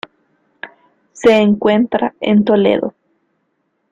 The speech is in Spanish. Se encuentra en Toledo.